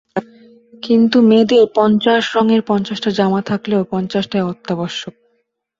কিন্তু মেয়েদের পঞ্চাশ রঙের পঞ্চাশটা জামা থাকলেও পঞ্চাশটাই অত্যাবশ্যক।